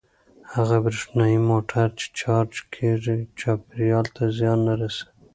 هغه برېښنايي موټر چې چارج کیږي چاپیریال ته زیان نه رسوي.